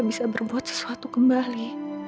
bisa berbuat sesuatu kembali